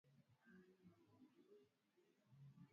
sasa hicho ndio kitendawili kwa sababu nchi yeyote inayotawaliwa